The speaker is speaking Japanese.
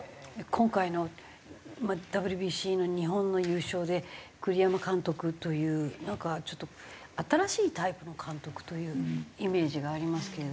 今回のＷＢＣの日本の優勝で栗山監督というなんかちょっと新しいタイプの監督というイメージがありますけれども。